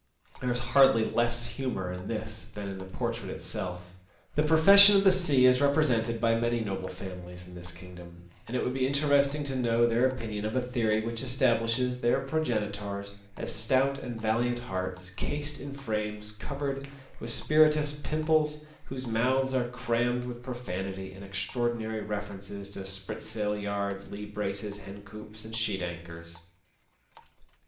There is hardly less humour in this than in the portrait itself. The profession of the sea is represented by many noble families in this kingdom, and it would be interest ing to know their opinion of a theory which establishes their progenitors as stout and valiant hearts, cased in frames covered with spirituous pimples, whose mouths are crammed with profanity and extraordinary references to spritsail yards, lee braces, hencoops, and sheet anchors.